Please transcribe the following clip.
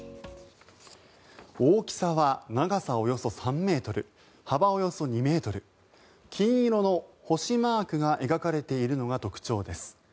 大きさは長さおよそ３ｍ、幅およそ２ｍ金色の星マークが描かれているのが特徴です。